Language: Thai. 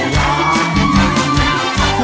ร้องได้ให้ร้าง